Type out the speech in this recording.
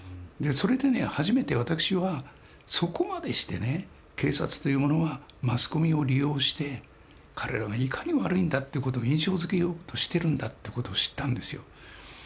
それでね初めて私はそこまでしてね警察というものはマスコミを利用して彼らがいかに悪いんだって事を印象づけようとしてるんだって事を知ったんですよ。